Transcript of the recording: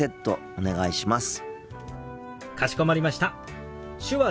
お願いします。